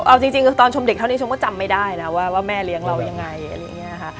เอาจริงคือตอนชมเด็กเท่านี้ชมก็จำไม่ได้นะว่าแม่เลี้ยงเรายังไง